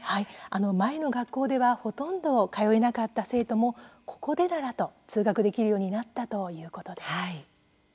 前の学校ではほとんど通えなかった生徒も「ここでなら」と通学できるようになったということです。